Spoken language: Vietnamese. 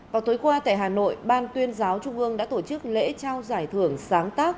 vào tối qua tại hà nội ban tuyên giáo trung ương đã tổ chức lễ trao giải thưởng sáng tác